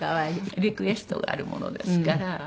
リクエストがあるものですから。